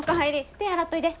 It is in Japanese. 手洗っといで。